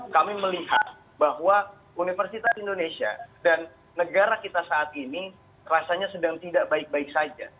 kami melihat bahwa universitas indonesia dan negara kita saat ini rasanya sedang tidak baik baik saja